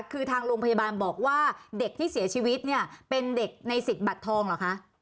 คือทางโรงพยาบาลบอกว่าเด็กที่เสียชีวิตเนี่ยเป็นเด็กในสิทธิ์บัตรทองเหรอคะ